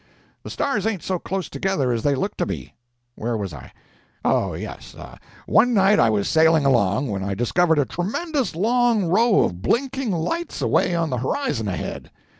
The stars ain't so close together as they look to be. Where was I? Oh yes; one night I was sailing along, when I discovered a tremendous long row of blinking lights away on the horizon ahead.